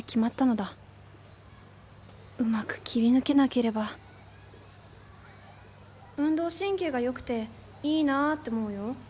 うまく切り抜けなければ運動神経がよくていいなって思うよ。